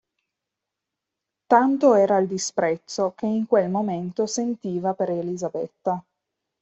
Tanto era il disprezzo che in quel momento sentiva per Elisabetta.